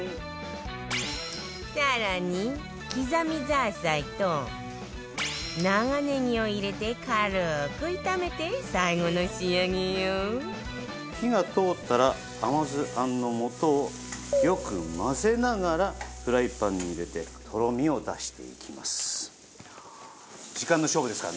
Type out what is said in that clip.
更に刻みザーサイと長ネギを入れて軽く炒めて最後の仕上げよ火が通ったら甘酢あんの素をよく混ぜながらフライパンに入れてとろみを出していきます。